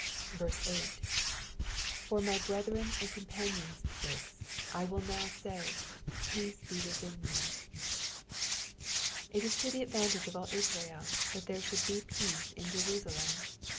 8. ^^For my brethren and companions^ sokes, I toiU noto say. Peace be wUhin thee.'''' It b to the advantage of all Israel that there should be peace in Jerusalem.